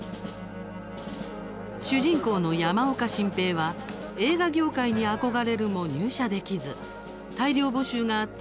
主人公の山岡進平は映画業界に憧れるも入社できず大量募集があった